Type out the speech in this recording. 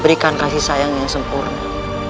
berikan kasih sayang yang sempurna